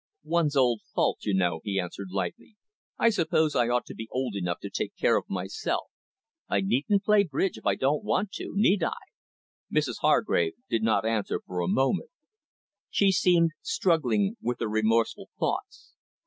"One's own fault, you know," he answered lightly. "I suppose I ought to be old enough to take care of myself. I needn't play bridge if I don't want to, need I?" Mrs Hargrave did not answer for a moment. She seemed struggling with her remorseful thoughts.